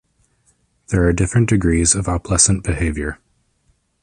There are different degrees of opalescent behaviour.